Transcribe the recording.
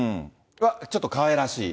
ちょっとかわいらしい。